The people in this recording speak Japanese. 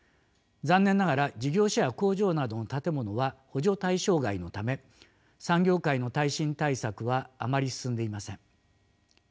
残念ながら事業所や工場などの建物は補助対象外のため産業界の耐震対策はあまり進んでいません。